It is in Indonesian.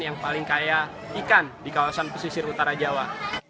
yang paling kaya ikan di kawasan pesisir utara jawa